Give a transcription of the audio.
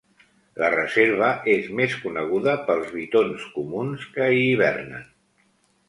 La reserva és més coneguda pels bitons comuns que hi hivernen.